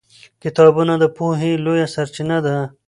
کتابونه د پوهې لویه سرچینه ده